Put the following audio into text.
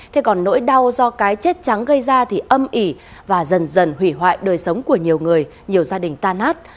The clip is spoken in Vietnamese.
thế còn nỗi đau do cái chết trắng gây ra thì âm ỉ và dần dần hủy hoại đời sống của nhiều người nhiều gia đình tan nát